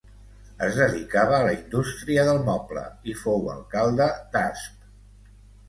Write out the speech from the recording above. Es dedicava a la indústria del moble i fou alcalde d'Asp.